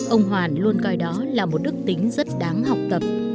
ông hoàn luôn coi đó là một đức tính rất đáng học tập